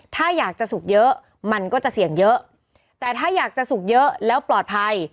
ถ้าอยากจะสุกเยอะมันก็จะเสี่ยงเยอะแต่ถ้าอยากจะสุกเยอะแล้วปลอดภัย